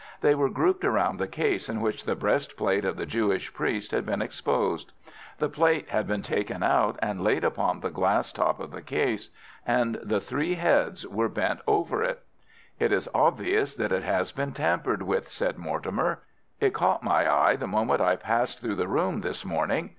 They were grouped round the case in which the breastplate of the Jewish priest had been exposed. The plate had been taken out and laid upon the glass top of the case, and the three heads were bent over it. "It is obvious that it has been tampered with," said Mortimer. "It caught my eye the moment that I passed through the room this morning.